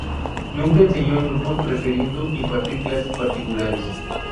Nunca enseñó en grupos, prefiriendo impartir clases particulares.